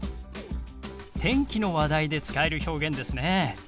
天気の話題で使える表現ですね。